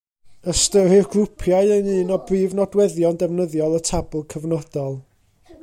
Ystyrir grwpiau yn un o brif nodweddion defnyddiol y tabl cyfnodol.